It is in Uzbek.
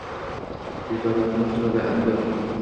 Yuzlari oqarib turadi abgor